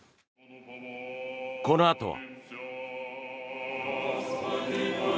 このあとは。